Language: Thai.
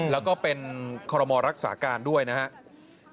แล้วก็เป็นคอรมอรักษาการด้วยนะครับ